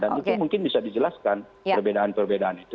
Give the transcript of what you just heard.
dan itu mungkin bisa dijelaskan perbedaan perbedaan itu